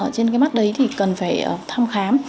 trên mắt đấy cần phải thăm khám